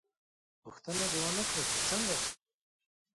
_ پوښتنه دې ونه کړه چې څنګه؟